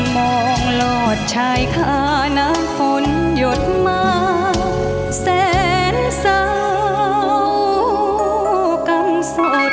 มองหลอดชายข้านางคนหยดมาแสนเศร้ากรรมสด